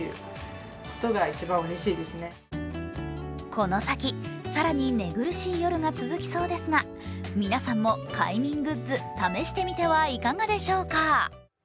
この先、更に寝苦しい夜が続きそうですが、皆さんも快眠グッズ試してみてはいかがでしょうか。